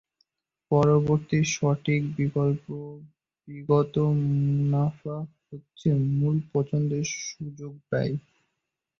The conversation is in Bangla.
পরবর্তী সঠিক বিকল্পের বিগত মুনাফা হচ্ছে মুল পছন্দের সুযোগ ব্যয়।